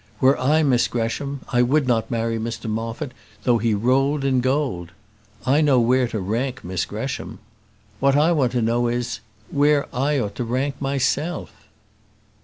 Were I Miss Gresham, I would not marry Mr Moffat though he rolled in gold. I know where to rank Miss Gresham. What I want to know is, where I ought to rank myself?"